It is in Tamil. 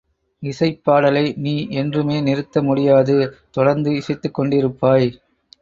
இசைப் பாடலை நீ என்றுமே நிறுத்த முடியாது தொடர்ந்து இசைத்துக் கொண்டேயிருப்பாய்!